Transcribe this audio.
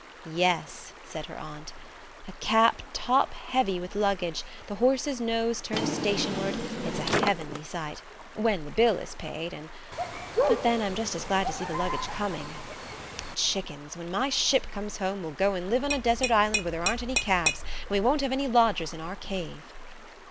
"Yes," said her aunt. "A cab top heavy with luggage, the horse's nose turned stationward, it's a heavenly sight–when the bill is paid and–But, then, I'm just as glad to see the luggage coming. Chickens! when my ship comes home we'll go and live on a desert island where there aren't any cabs, and we won't have any lodgers in our cave."